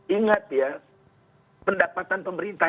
ingat ya pendapatan pemerintah